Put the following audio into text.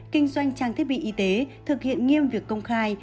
kinh doanh trang thiết bị y tế thực hiện nghiêm việc công khai